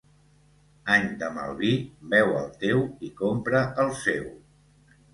Any de mal vi, beu el teu i compra el seu.